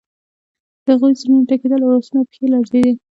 د هغوی زړونه ټکیدل او لاسونه او پښې یې لړزیدې